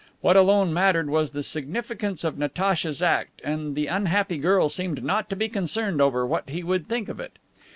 What alone mattered was the significance of Natacha's act, and the unhappy girl seemed not to be concerned over what he would think of it.